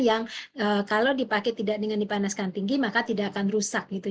yang kalau dipakai tidak dengan dipanaskan tinggi maka tidak akan rusak gitu